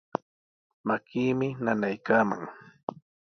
Makiimi nanaykaaman.